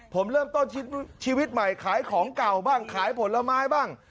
ผมเริ่มต้นชีวิตใหม่ขายของเก่าบ้างขายผลไม้บ้าง